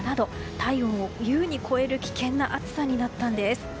体温を優に超える危険な暑さになったんです。